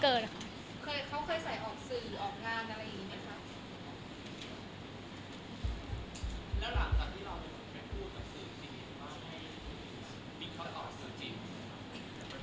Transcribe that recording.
ภูมิก็ตอบว่ามันจริง